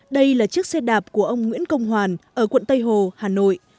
đây là chiếc xe đạp của ông nguyễn công hoàn ở quận tây hồ hà nội